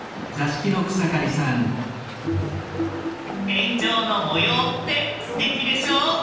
天井の模様ってすてきでしょ。